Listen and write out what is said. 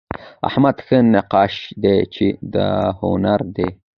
احمد ښه نقاش دئ، چي دا هنر دئ.